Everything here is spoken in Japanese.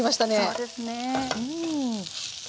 そうですね！